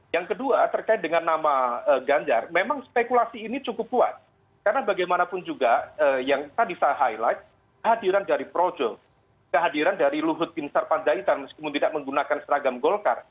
yang kedua terkait dengan nama ganjar memang spekulasi ini cukup kuat karena bagaimanapun juga yang tadi saya highlight kehadiran dari projo kehadiran dari luhut bin sarpanjaitan meskipun tidak menggunakan seragam golkar